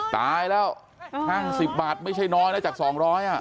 ตายแล้ว๕๐บาทไม่ใช่น้อยนะจาก๒๐๐อ่ะ